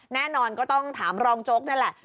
แน่นอนก็ต้องถามรองโจ๊กนั่นแหละ